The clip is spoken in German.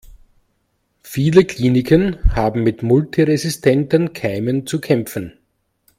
Viele Kliniken haben mit multiresistenten Keimen zu kämpfen.